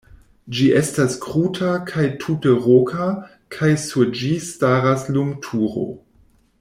Ĝi estas kruta kaj tute roka kaj sur ĝi staras lumturo.